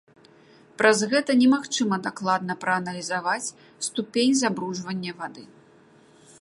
Праз гэта немагчыма дакладна прааналізаваць ступень забруджвання вады.